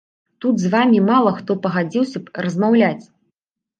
Тут з вамі мала хто пагадзіўся б размаўляць.